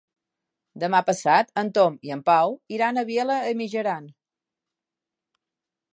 Demà passat en Tom i en Pau iran a Vielha e Mijaran.